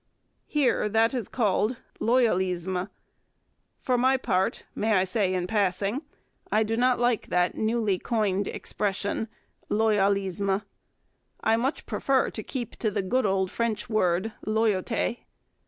Here that is called loyalisme. (For my part, may I say in passing, I do not like that newly coined expression, loyalisme: I much prefer to keep to the good old French word loyauté.)